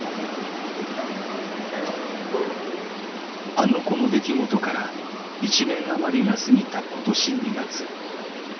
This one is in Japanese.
「あの子」の出来事から１年あまりが過ぎた今年２月